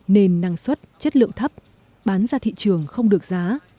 nên năng suất chất lượng thấp bán ra thị trường không được giá